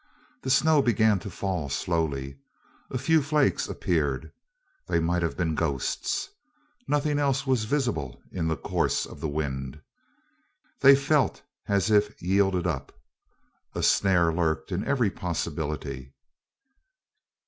The snow began to fall slowly; a few flakes appeared. They might have been ghosts. Nothing else was visible in the course of the wind. They felt as if yielded up. A snare lurked in every possibility.